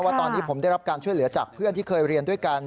ว่าตอนนี้ผมได้รับการช่วยเหลือจากเพื่อนที่เคยเรียนด้วยกัน